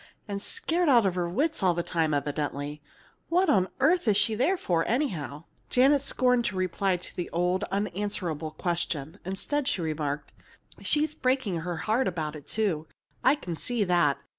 And scared out of her wits all the time, evidently. What on earth is she there for, anyhow?" Janet scorned to reply to the old, unanswerable question. Instead she remarked: "She's breaking her heart about it, too. I can see that.